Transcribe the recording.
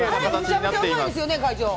めちゃくちゃうまいですよね会長。